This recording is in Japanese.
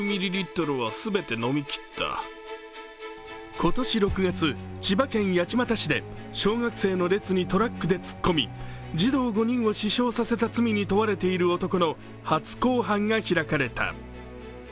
今年６月、千葉県八街市で小学生の列にトラックで突っ込み児童５人を死傷させた罪に問われている男の初公判が開かれた。